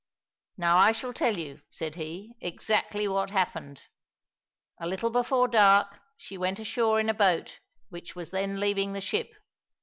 "Now I shall tell you," said he, "exactly what happened. A little before dark she went ashore in a boat which was then leaving the ship.